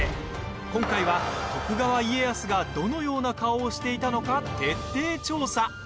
今回は、徳川家康がどのような顔をしていたのか徹底調査。